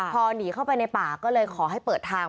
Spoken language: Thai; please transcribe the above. พอหนีเข้าไปในป่าก็เลยขอให้เปิดทาง